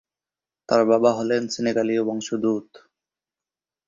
তার বাবা হলেন সেনেগালীয় বংশোদ্ভূত।